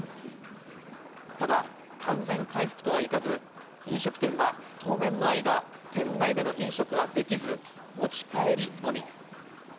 ただ、完全回復とはいかず、飲食店は当面の間、店内での飲食はできず、持ち帰りのみ。